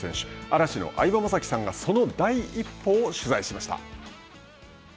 嵐の相葉雅紀さんがその第一歩を取材しました。